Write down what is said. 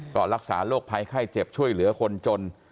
ก็รักษาโรคภัยไข้เจ็บช่วยเหลือคนจน